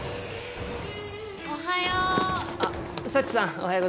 おはよう。